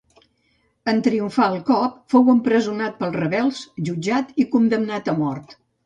En triomfar el cop fou empresonat pels rebels, jutjat i condemnat a mort.